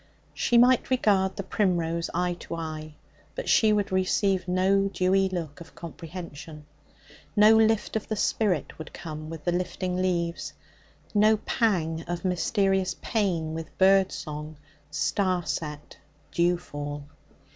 She might regard the primrose eye to eye, but she would receive no dewy look of comprehension. No lift of the heart would come with the lifting leaves, no pang of mysterious pain with bird song, star set, dewfall.